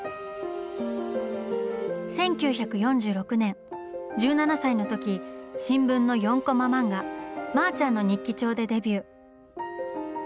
１９４６年１７歳の時新聞の４コマ漫画「マアチャンの日記帳」でデビュー。